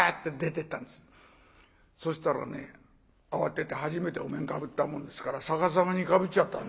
そしたらね慌てて初めてお面かぶったもんですから逆さまにかぶっちゃった。